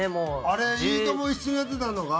あれ『いいとも！』を一緒にやってたのが？